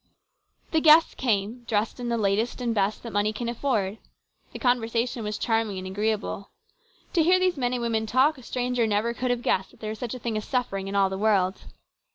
The guests came, dressed in the latest and best that money can afford. The conversation was charming and agreeable. To hear these men and women talk a stranger never could have guessed that there was such a thing as suffering in all the world.